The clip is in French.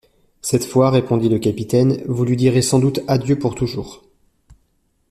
Cette fois, répondit le capitaine, vous lui direz sans doute adieu pour toujours.